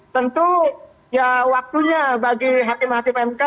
tentu ya waktunya bagi hakim hakim mk